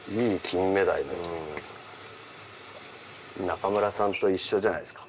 中村さんと一緒じゃないですか。